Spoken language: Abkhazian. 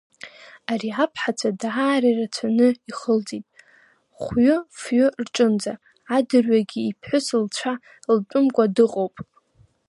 Ари аԥҳацәа даара ирацәаҩны ихылҵит, хәҩы-фҩы рҿынӡа, адырҩагьы иԥҳәыс лцәа лтәымкәа дыҟоуп.